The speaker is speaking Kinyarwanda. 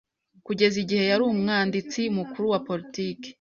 kugeza igihe yari umwanditsi mukuru wa politiki